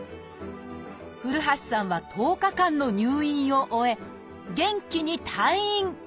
古橋さんは１０日間の入院を終え元気に退院！